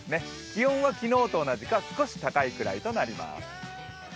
気温は昨日と同じか少し高いくらいとなります。